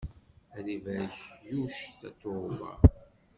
Ad ibarek yuc Tatoeba.